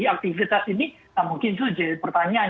aktivitas ini mungkin itu jadi pertanyaan